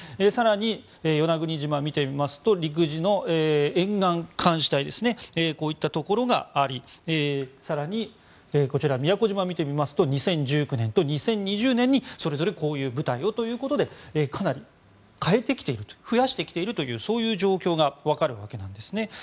更に、与那国島を見てみますと陸自の沿岸監視隊ですねこういったところがあり更にこちら、宮古島を見てみますと２０１９年を２０２０年にそれぞれこういう部隊をということでかなり変えてきている増やしてきているという状況がわかるわけですね。